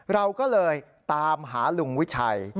เราก็เลยตามหาลุงวิชัย